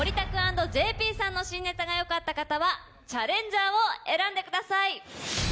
＆ＪＰさんの新ネタがよかった方はチャレンジャーを選んでください。